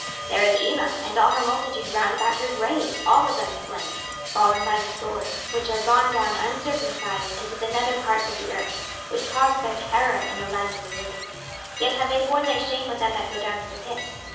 26:032:024 There is Elam and all her multitude round about her grave, all of them slain, fallen by the sword, which are gone down uncircumcised into the nether parts of the earth, which caused their terror in the land of the living; yet have they borne their shame with them that go down to the pit.